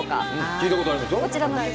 聴いたことありますよ。